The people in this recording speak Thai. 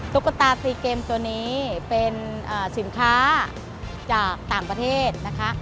ตุ๊กตาซีเกมตัวนี้เป็นสินค้าจากต่างประเทศนะคะ